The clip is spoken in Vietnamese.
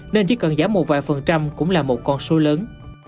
nên chỉ cần giảm một vài phần trăm cũng là một con số lớn